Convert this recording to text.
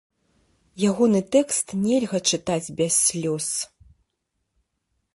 Ягоны тэкст нельга чытаць без слёз.